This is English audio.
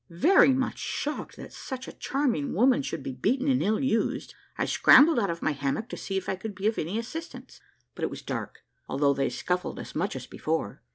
Very much shocked that such a charming woman should be beaten and ill used, I scrambled out of my hammock to see if I could be of any assistance, but it was dark, although they scuffled as much as before.